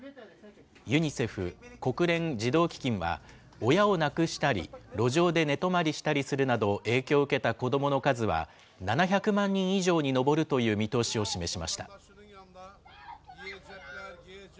ユニセフ・国連児童基金は、親を亡くしたり、路上で寝泊まりしたりするなど影響を受けた子どもの数は、７００万人以上に上るという見通しを示しました。